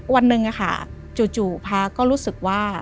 วันหนึ่งจู่พระก็รู้สึกว่า